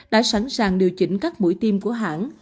đã sẵn sàng điều chỉnh các mũi tiêm của hãng